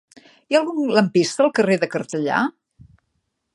Hi ha algun lampista al carrer de Cartellà?